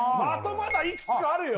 まだいくつかあるよ